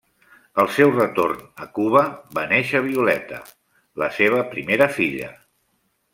Al seu retorn a Cuba va néixer Violeta, la seva primera filla.